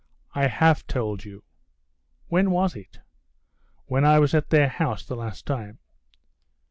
"I have told you." "When was it?" "When I was at their house the last time."